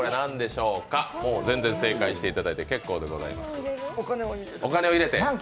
全然、正解していただいて結構でございます。